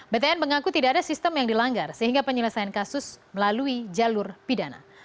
btn mengaku tidak ada sistem yang dilanggar sehingga penyelesaian kasus melalui jalur pidana